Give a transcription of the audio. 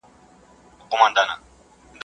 مېړه مړ که، مړانه ئې مه ورکوه.